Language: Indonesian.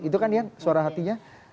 itu kan dia suara hatinya